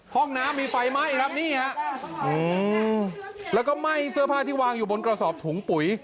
ห้องน้ำมีไฟไหม้ครับนี่ฮะแล้วก็ไหม้เสื้อผ้าที่วางอยู่บนกระสอบถุงปุ๋ย